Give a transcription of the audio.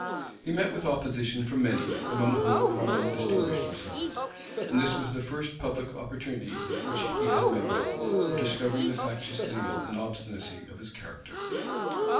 He met with opposition from many, among whom Cromwell distinguished himself; and this was the first public opportunity which he had met with, of discovering the factious zeal and obstinacy of his character.